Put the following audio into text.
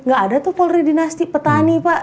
gak ada tuh polri dinasti petani pak